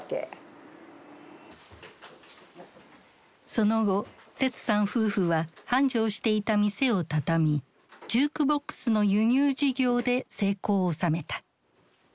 その後セツさん夫婦は繁盛していた店をたたみジュークボックスの輸入事業で成功をおさめた。